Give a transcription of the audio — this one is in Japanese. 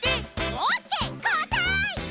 オッケーこうたい！